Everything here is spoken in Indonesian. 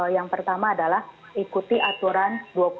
yang pertama adalah ikuti aturan dua puluh dua puluh dua puluh